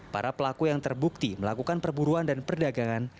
para pelaku yang terbukti melakukan perburuan dan perdagangan